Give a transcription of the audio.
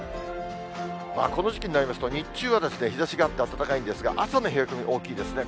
この時期になりますと、日中は日ざしがあって暖かいんですが、朝の冷え込み大きいですね。